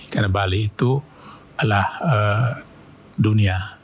karena bali itu adalah dunia